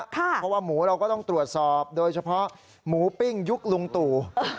เพราะว่าหมูเราก็ต้องตรวจสอบโดยเฉพาะหมูปิ้งยุคลุงตู่